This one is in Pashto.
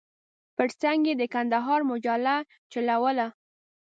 پر څنګ یې د کندهار مجله چلوله.